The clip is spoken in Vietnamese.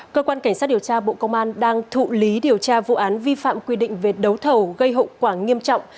cơ quan cảnh sát điều tra bộ công an đang thụ lý điều tra vụ án vi phạm quy định về đấu thầu gây hậu quả nghiêm trọng